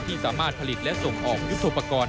ที่สามารถผลิตและส่งออกยุทธภกร